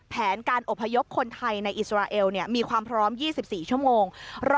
แผนการอบพยพคนไทยในอิสราเอลมีความพร้อม๒๔ชั่วโมง